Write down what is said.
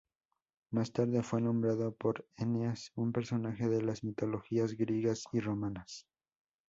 Más tarde fue nombrado por Eneas, un personaje de las mitologías griegas y romanas.